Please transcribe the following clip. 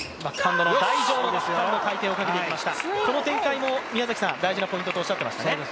この展開も大事なポイントとおっしゃっていましたね。